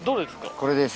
これです。